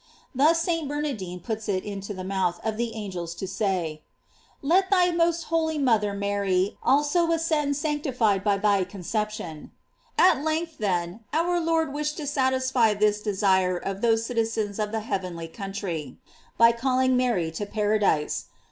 Thus St. Bernardino puts it into the mouth of the angels to say: Let thy most holy mother Mary also ascend sanctified by thy conception.* At length, then, our Lord wished to satisfy this desire of those citizens of the heavenly country, by calling Mary to paradise.